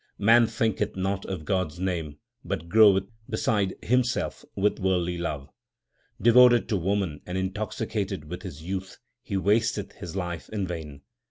Man thinketh not of God s name, but groweth beside him self with worldly love. Devoted to woman and intoxicated with his youth he wasteth his life in vain.